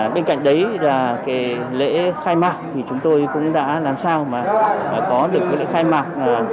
bên cạnh đấy là lễ khai mạc thì chúng tôi cũng đã làm sao mà có được lễ khai mạc